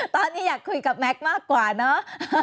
ตอนนี้อยากคุยกับแม็กซ์มากกว่าเนอะ